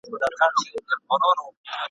په تقوا به وي مشهور په ولایت کي !.